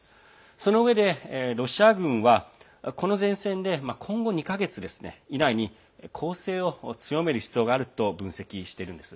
そのうえで、ロシア軍はこの前線で今後２か月以内に攻勢を強める必要があると分析しているんです。